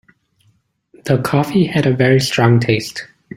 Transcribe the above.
The coffee had a very strong taste.